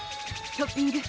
トッピング！